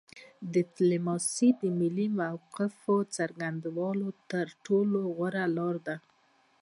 ډیپلوماسي د ملي موقف د څرګندولو تر ټولو غوره لار ده